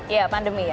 iya pandemi ya